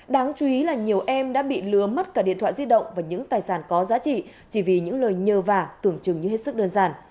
đáng chú ý là nhiều em đã bị lứa mất cả điện thoại di động và những tài sản có giá trị chỉ vì những lời nhờ vả tưởng chừng như hết sức đơn giản